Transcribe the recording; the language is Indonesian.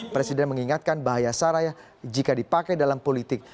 presiden mengingatkan bahaya sarah jika dipakai dalam politik